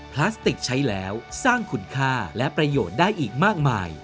พลาสติกใช้แล้วสร้างคุณค่าและประโยชน์ได้อีกมากมาย